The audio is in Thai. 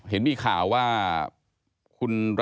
เห็นมีข่าวว่าคุณรสติการเองก็บอกว่า